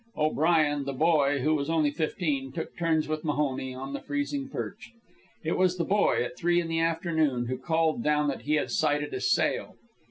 O'Brien, the boy, who was only fifteen, took turns with Mahoney on the freezing perch. It was the boy, at three in the afternoon, who called down that he had sighted a sail.